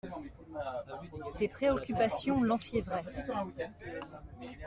Ses préoccupations l'enfiévraient.